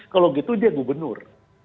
kalau gitu dia gubernur